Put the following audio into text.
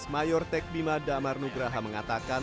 mayor teknima damar nugraha mengatakan